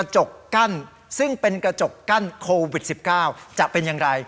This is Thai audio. จะจบกั้นโควิด๑๙จะเป็นอย่างไร